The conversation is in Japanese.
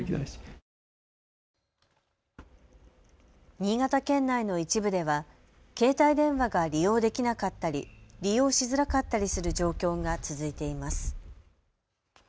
新潟県内の一部では携帯電話が利用できなかったり利用しづらかったりする状況が続いています。